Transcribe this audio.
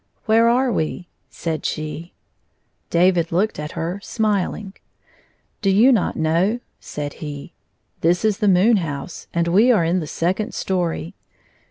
" Where are we ?" said she. David looked at her, smiling. " Do you not know?" said he. "This is the moon house,. and we are in the second story.